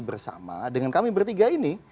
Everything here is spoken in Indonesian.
bersama dengan kami bertiga ini